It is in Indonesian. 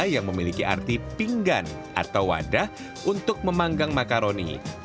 yang memiliki arti pinggan atau wadah untuk memanggang makaroni